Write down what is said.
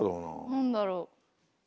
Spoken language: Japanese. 何だろう？